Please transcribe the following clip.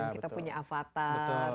kita punya avatar